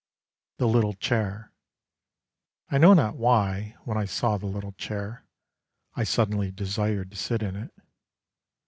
THE LITTLE CHAIR I know not why, when I saw the little chair, I suddenly desired to sit in it.